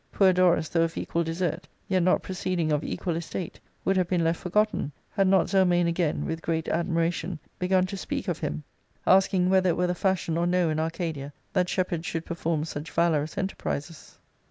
Poor Dorus, though of equal desert^ yet not . proceeding of equal estate, would have been left forgotten had not Zelmane again, with great admiration, begun to speak of him, asking whether it were the fashion or no in Arcadia that shepherds should perform such valorous j^ enterprises.